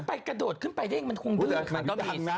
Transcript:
มันไปกระโดดขึ้นไปได้มันคงเดิน